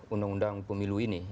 undang undang pemilu ini